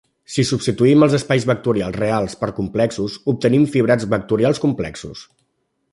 Si substituïm els espais vectorials reals per complexos, obtenim fibrats vectorials complexos.